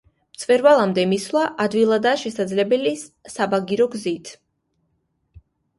მწვერვალამდე მისვლა ადვილადაა შესაძლებელი საბაგირო გზით.